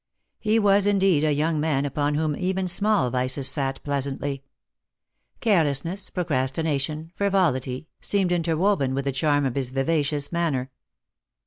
He was indeed a young man upon whom even small vices sat pleasantly. Carelessness, procrastination, frivolity, seemed interwoven with the charm of his vivacious manner.